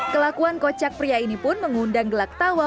kelakuan kocak pria ini pun mengundang gelak tawa